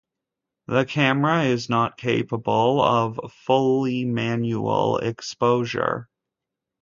The camera is not capable of fully manual exposure.